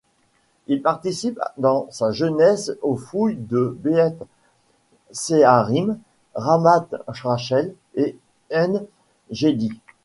Il participe dans sa jeunesse aux fouilles de Beït-Shéarim, Ramat-Rachel et Ein Gedi.